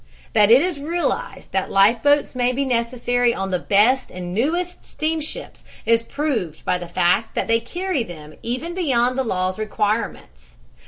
That it is realized that life boats may be necessary on the best and newest steamships is proved by the fact that they carry them even beyond the law's requirements.